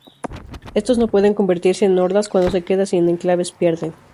Estos no pueden convertirse en hordas, cuando se queda sin enclaves, pierden.